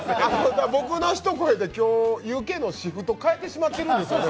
僕の一声で今日、Ｕ．Ｋのシフト変えてしまっているんですよね。